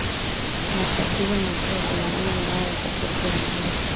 matatizo makuu ya binadamu ingawa wachache tu wameweza